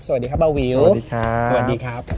สวัสดีครับเบาวิวสวัสดีครับสวัสดีครับสวัสดีครับ